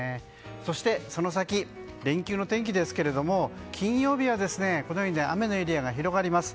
そしてその先、連休の天気ですが金曜日は雨のエリアが広がります。